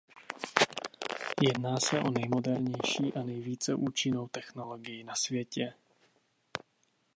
Jedná se o nejmodernější a nejvíce účinnou technologii na světě.